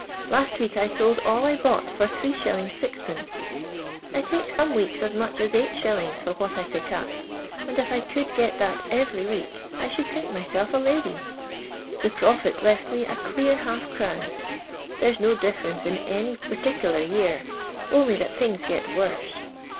Lnst wet>k I sold all I bnu^^ht for Z$. 6d. I Uke some weeks as much as Si. for what I pick up, and if I could get that every week I should think myself a lady. The profit left me a clear half crown. Thera's no difTorence in any per ticler year — only that things gets worse.